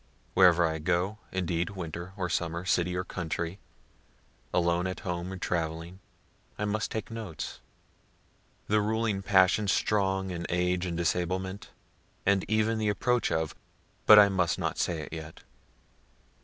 Wherever I go, indeed, winter or summer, city or country, alone at home or traveling, I must take notes (the ruling passion strong in age and disablement, and even the approach of but I must not say it yet.)